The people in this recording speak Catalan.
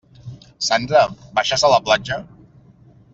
Sandra, baixes a la platja?